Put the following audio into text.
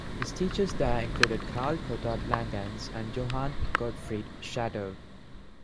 His teachers there included Carl Gotthard Langhans and Johann Gottfried Schadow.